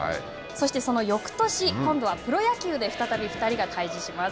そのよくとし、今度はプロ野球で再び２人が対じします。